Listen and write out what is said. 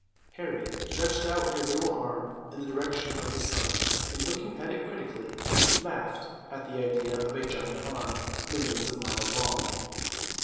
Harry stretched out his little arm in the direction of the sun, and, looking at it critically, laughed at the idea of a giant arm millions of miles long.